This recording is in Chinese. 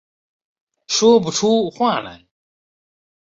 说不出话来